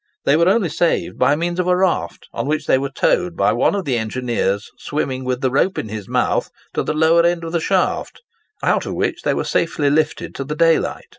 They were only saved by means of a raft, on which they were towed by one of the engineers swimming with the rope in his mouth to the lower end of the shaft, out of which they were safely lifted to the daylight.